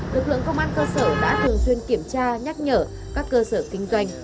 lực lượng công an cơ sở đã thường xuyên kiểm tra nhắc nhở các cơ sở kinh doanh